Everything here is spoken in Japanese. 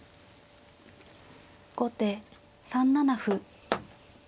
後手３七歩。